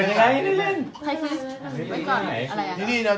เอามีอันนี้ด้วย